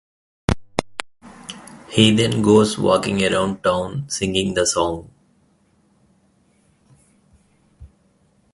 He then goes walking around town singing the song.